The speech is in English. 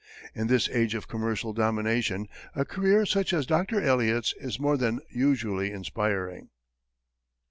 In this age of commercial domination, a career such as Dr. Eliot's is more than usually inspiring.